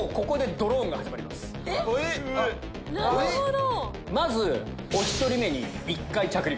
なるほど。